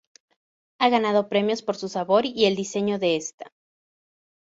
Ha ganado premios por su sabor y el diseño de esta.